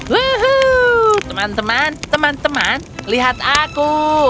wuhuu teman teman teman teman lihat aku